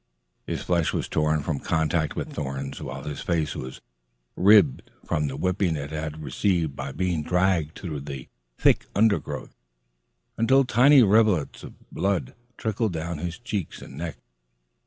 His flesh was torn from contact with thorns, while his face was ribbed from the whipping it had received by being dragged through the thick undergrowth, until tiny rivulets of blood trickled down his cheeks and neck.